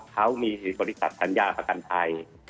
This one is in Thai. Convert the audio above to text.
เขามีบริษัทธัญาภารกันไทย